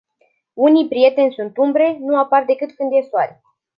Unii prieteni sunt umbre, nu apar decât când e Soare.